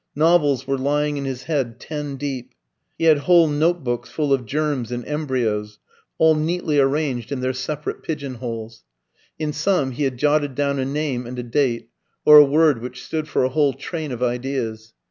Novels were lying in his head ten deep. He had whole note books full of germs and embryos, all neatly arranged in their separate pigeon holes. In some he had jotted down a name and a date, or a word which stood for a whole train of ideas.